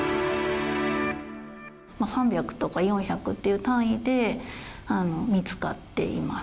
３００とか４００っていう単位で、見つかっています。